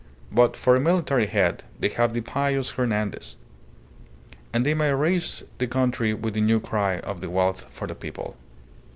But for a military head they have the pious Hernandez. And they may raise the country with the new cry of the wealth for the people."